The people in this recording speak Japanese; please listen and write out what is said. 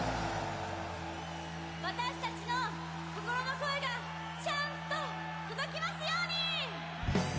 私達の心の声がちゃんと届きますように！